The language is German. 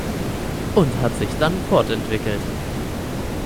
Und hat sich dann fortentwickelt.